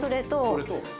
それと？